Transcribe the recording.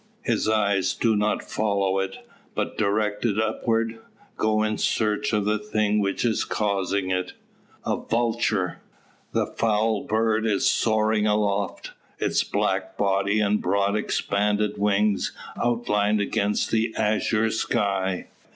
His eyes do not follow it, but, directed upward, go in search of the thing which is causing it. "A vulture!" The foul bird is soaring aloft, its black body and broad expanded wings outlined against the azure sky.